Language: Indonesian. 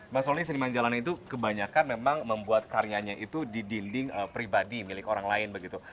mas roli seni main jalan itu kebanyakan memang membuat karyanya itu di dinding pribadi milik orang lain begitu